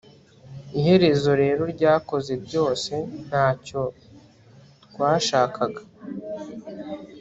Iherezo rero ryakoze byose ntacyo twashakaga